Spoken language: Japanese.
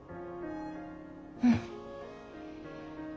うん。